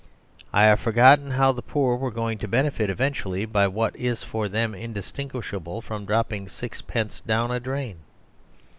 I have forgotten how the poor were going to benefit eventually by what is for them indistinguishable from dropping sixpence down a drain.